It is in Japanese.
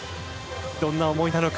どんな思いなのか。